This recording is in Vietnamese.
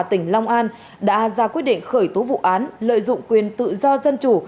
tỉnh long an đã ra quyết định khởi tố vụ án lợi dụng quyền tự do dân chủ